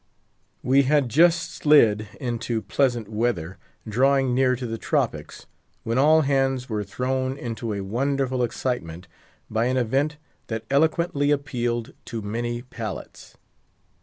We had just slid into pleasant weather, drawing near to the Tropics, when all hands were thrown into a wonderful excitement by an event that eloquently appealed to many palates.